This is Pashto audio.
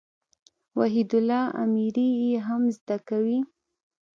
وحيدالله اميري ئې هم زده کوي.